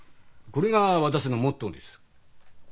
これが私のモットーです。